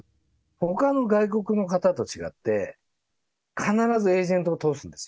ほかの外国の方と違って、必ずエージェントを通すんですよ。